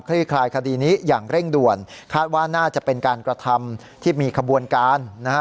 คลายคดีนี้อย่างเร่งด่วนคาดว่าน่าจะเป็นการกระทำที่มีขบวนการนะฮะ